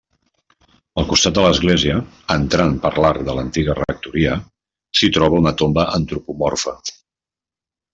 Al costat de l'església, entrant per l'arc de l'antiga rectoria, s'hi troba una tomba antropomorfa.